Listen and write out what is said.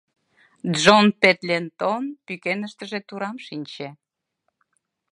Джон Пендлетон пӱкеныштыже турам шинче.